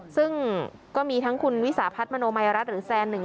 ซึ่งก็มีทั้งคุณวิสาพัฒน์มโนมัยรัฐหรือแซนหนึ่ง